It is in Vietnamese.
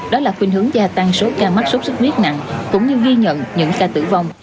đó là khuyến hướng gia tăng số ca mắc số xuất khuyết nặng cũng như ghi nhận những ca tử vong